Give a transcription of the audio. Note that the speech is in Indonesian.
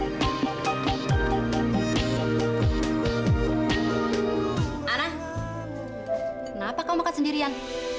ana kenapa kau makan sendirian